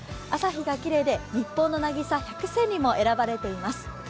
朝日がきれいで、日本の渚百選にも選ばれています。